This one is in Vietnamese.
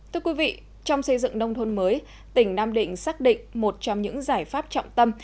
trong xây dựng nông thôn mới tỉnh nam định xác định một trong những giải pháp trọng tâm